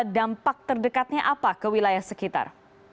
dampak terdekatnya apa ke wilayah sekitar